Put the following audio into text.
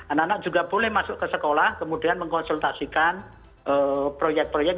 anak anak juga boleh masuk ke sekolah kemudian mengkonsultasikan proyek proyek